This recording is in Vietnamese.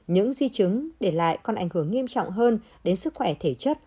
những di chứng để lại còn ảnh hưởng nghiêm trọng hơn đến sức khỏe thể chất